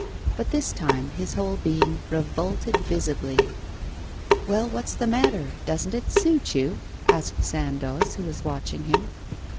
But this time his whole being revolted visibly. 'Well, what's the matter? Doesn't it suit you?' asked Sandoz, who was watching him.